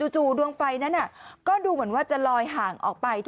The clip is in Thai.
ดวงไฟนั้นก็ดูเหมือนว่าจะลอยห่างออกไป